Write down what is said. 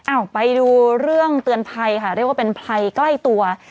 อ้าวไปดูเรื่องเตือนไพค่ะเรียกว่าเป็นไพใกล้ตัว